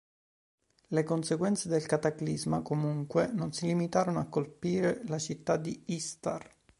Le conseguenze del Cataclisma, comunque, non si limitarono a colpire la città di Istar.